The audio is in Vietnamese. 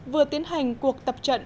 vừa tiến hành cuộc tập trận